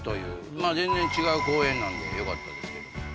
まぁ全然違う公園なんでよかったですけど。